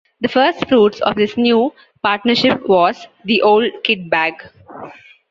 The first fruits of this new partnership was "The Old Kit Bag".